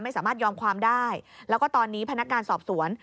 ไม่ยอมความได้แล้วก็ตอนนี้พนักงานสอบสวน